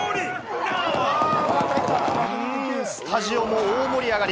スタジオも大盛り上がり！